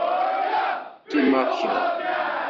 Qqimeɣ kra.